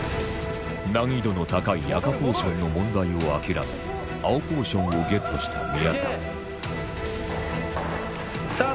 難易度の高い赤ポーションの問題を諦め青ポーションをゲットした宮田さぁ